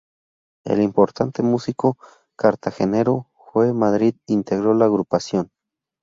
El importante músico cartagenero Joe Madrid integró la agrupación.